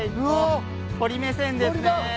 鳥目線ですね。